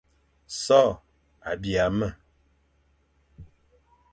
So a bîa me,